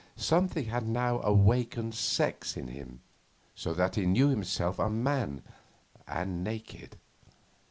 Something had now awakened sex in him, so that he knew himself a man, and naked.